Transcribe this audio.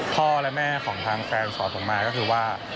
พ่อและแม่ของทางแฟนสอนผมมาก็คือว่า